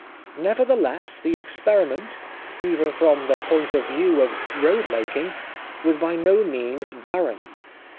Nevertheless the experiment, even from the point of view of road making, was by no means barren.